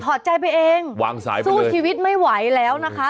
อดใจไปเองวางสายสู้ชีวิตไม่ไหวแล้วนะคะ